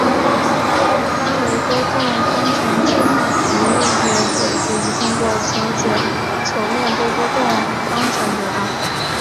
三维波动方程初值问题的解可以通过求解球面波波动方程得到。